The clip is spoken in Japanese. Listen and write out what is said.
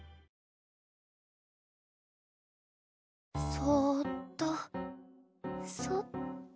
そっとそっと。